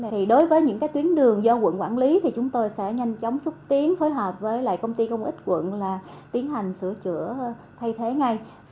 thì đối với những cái tuyến đường do quận quản lý thì chúng tôi sẽ nhanh chóng xúc tiến phối hợp với lại công ty công ích quận là tiến hành sửa chữa thay thế ngay